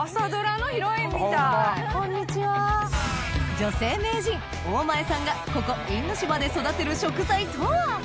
女性名人大前さんがここ因島で育てる食材とは？